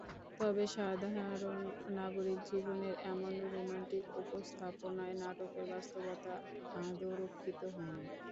তবে সাধারণ নাগরিক জীবনের এমন রোম্যান্টিক উপস্থাপনায় নাটকের বাস্তবতা আদৌ রক্ষিত হয়নি।